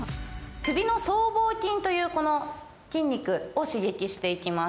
首の僧帽筋という筋肉を刺激していきます。